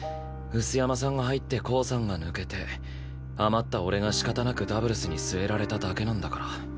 碓山さんが入ってコウさんが抜けて余った俺が仕方なくダブルスに据えられただけなんだから。